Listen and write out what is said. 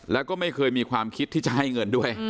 แล้วก็ไม่เคยมีความคิดที่จะให้เงินด้วย